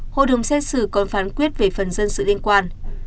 hội đồng xét xử còn phán quyết về phần dân sự liên quan